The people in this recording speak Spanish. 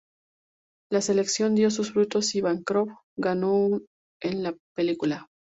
La selección dio sus frutos, y Bancroft ganó un en la película.